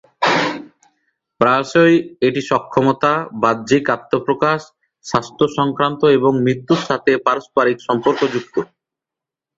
প্রায়শঃই এটি সক্ষমতা, বাহ্যিক আত্মপ্রকাশ, স্বাস্থ্য সংক্রান্ত এবং মৃত্যুর সাথে পারস্পরিক সম্পর্কযুক্ত।